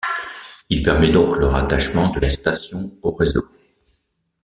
Il permet donc le rattachement de la station au réseau.